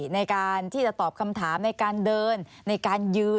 ในการที่จะตอบคำถามในการเดินในการยืน